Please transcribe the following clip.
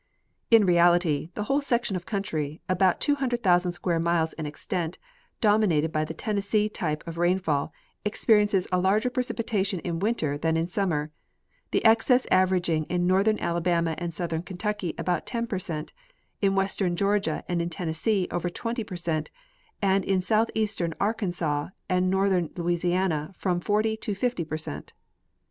In reality the whole section of country, about 200,000 square miles in extent, dominated by the Tennessee type of rainfall experiences a larger precipitation in winter than in summer, the excess averaging in northern Alabama and southern Kentucky about 10 per cent, in western Georgia and in Tennessee over 20 per cent, and in southeastern Arkansas and northern Louisiana from 40 to 50 jDcr cent (plate 20).